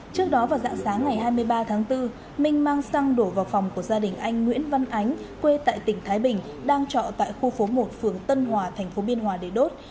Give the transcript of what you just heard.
trước đó vào dạng sáng ngày hai mươi ba tháng bốn minh mang xăng đổ vào phòng của gia đình anh nguyễn văn ánh quê tại tỉnh thái bình đang trọ tại khu phố một phường tân hòa tp biên hòa để đốt